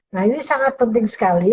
nah ini sangat penting sekali